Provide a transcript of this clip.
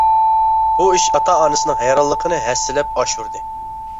بۇ ئىش ئاتا-ئانىسىنىڭ ھەيرانلىقىنى ھەسسىلەپ ئاشۇردى.